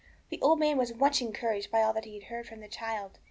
The old man was much encouraged by all that he heard from the child.